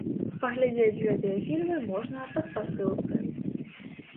Паглядзець гэтыя фільмы можна па спасылцы.